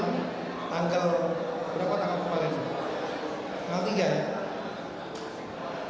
tanggal berapa tanggal kemarin